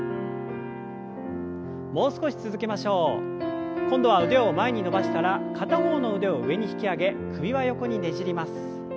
もう少し続けましょう。今度は腕を前に伸ばしたら片方の腕を上に引き上げ首は横にねじります。